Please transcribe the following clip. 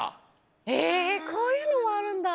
へえこういうのもあるんだ？